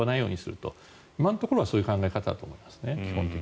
今のところは基本的にはそういう考え方だと思いますね。